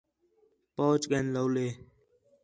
پہچ ڳین لَولے